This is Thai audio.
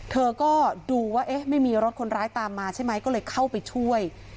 เธอก็ดูว่าไม่มีรถคนร้ายตามมาใช่ไหมก็เลยเข้าไปช่วย